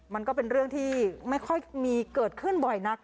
มันก็เป็นเรื่องที่ไม่ค่อยมีเกิดขึ้นบ่อยนัก